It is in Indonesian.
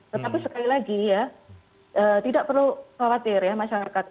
tetapi sekali lagi ya tidak perlu khawatir ya masyarakat